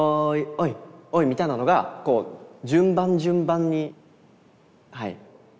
みたいなのがこう順番順番にはい。